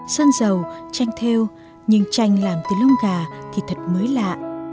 sơn dầu tranh theo nhưng tranh làm từ lông gà thì thật mới lạ